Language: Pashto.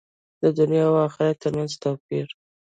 د دنیا او آخرت تر منځ توپیر دی.